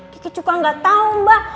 kiki juga gak tau mbak